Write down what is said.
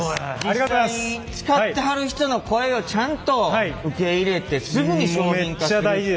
実際使ってはる人の声をちゃんと受け入れてすぐに商品化するっていう。